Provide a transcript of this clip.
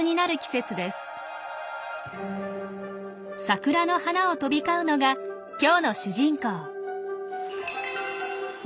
桜の花を飛び交うのが今日の主人公。